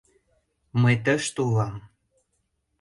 — Мый тыште улам.